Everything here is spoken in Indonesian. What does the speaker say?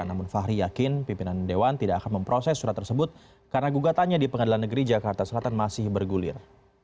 namun fahri yakin pimpinan dewan tidak akan memproses surat tersebut karena gugatannya di pengadilan negeri jakarta selatan masih bergulir